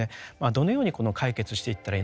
どのように解決していったらいいのか。